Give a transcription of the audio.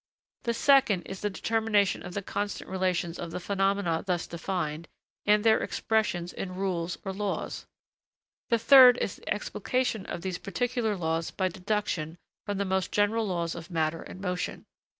The second is the determination of the constant relations of the phenomena thus defined, and their expression in rules or laws. The third is the explication of these particular laws by deduction from the most general laws of matter and motion.